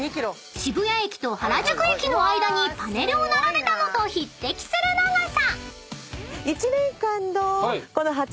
［渋谷駅と原宿駅の間にパネルを並べたのと匹敵する長さ］